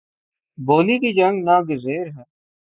بولی کی جنگ ناگزیر ہے